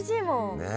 ねえ。